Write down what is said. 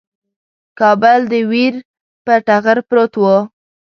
کابل د ویر پر ټغر پروت وو.